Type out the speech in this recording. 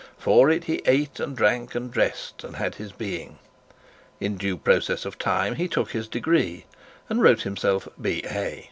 For it he ate and drank and dressed, and had his being. In due process of time he took his degree, and wrote himself B.A.